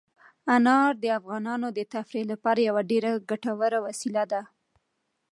انار د افغانانو د تفریح لپاره یوه ډېره ګټوره وسیله ده.